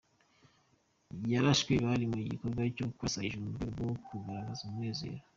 Yarashwe bari mu gikorwa cyo kurasa hejuru mu rwego rwo kugaragaza umunezero.